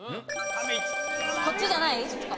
こっちじゃない？